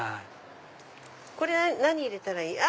これ何入れたらいい？